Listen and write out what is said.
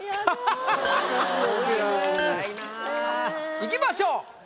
いきましょう。